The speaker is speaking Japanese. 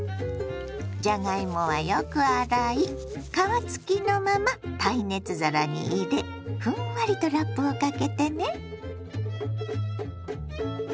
じゃがいもはよく洗い皮付きのまま耐熱皿に入れふんわりとラップをかけてね。